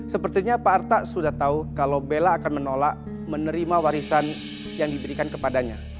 sepertinya pak arta sudah tahu kalau bella akan menolak menerima warisan yang diberikan kepadanya